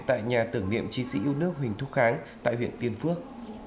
tại nhà tưởng niệm chiến sĩ yêu nước huỳnh thúc kháng tại huyện tiên phước